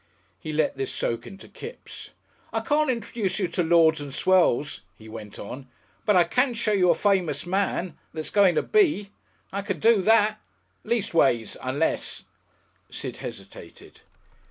He let this soak into Kipps. "I can't introduce you to Lords and swells," he went on, "but I can show you a Famous Man, that's going to be. I can do that. Leastways unless " Sid hesitated.